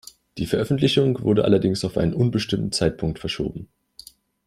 Die Veröffentlichung wurde allerdings auf einen unbestimmten Zeitpunkt verschoben.